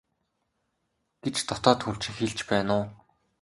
гэж дотоод хүн чинь хэлж байна уу?